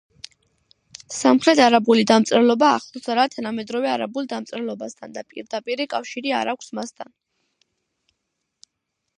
სამხრეთარაბული დამწერლობა ახლოს არაა თანამედროვე არაბულ დამწერლობასთან და პირდაპირი კავშირი არ აქვს მასთან.